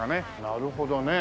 なるほどね。